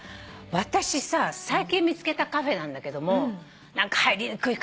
私さ最近見つけたカフェなんだけども何か入りにくいカフェなのよ。